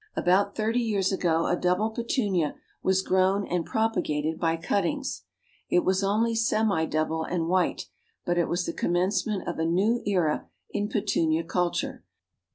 About thirty years ago a double Petunia was grown and propagated by cuttings. It was only semi double and white, but it was the commencement of a new era in Petunia culture.